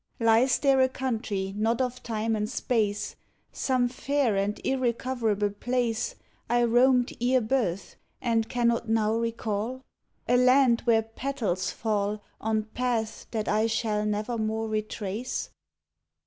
Lies there a country not of time and space Some fair and irrecoverable place I roamed ere birth and cannot now recall? A land where petals fall On paths that I shall nevermore retrace?